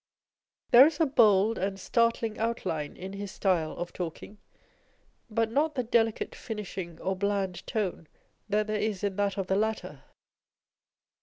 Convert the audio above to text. There is a bold and startling outline in his style of talking, but not the delicate finishing or bland tone that there is in that of the latter.